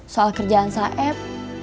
soal kerjaan saeb